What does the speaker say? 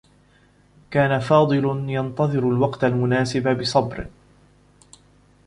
كان فاضل ينتظر الوقت المناسب بصبر.